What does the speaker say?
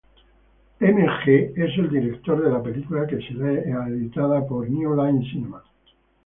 McG es el director de la película, que seria editada por New Line Cinema.